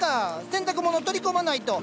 洗濯物取り込まないと。